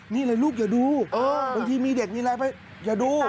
นี่ละลูกอย่าดูตอนที่มีเด็กนี่ไปอย่าดู